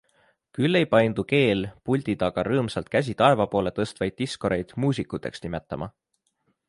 Küll ei paindu keel puldi taga rõõmsalt käsi taeva poole tõstvaid diskoreid muusikuteks nimetama.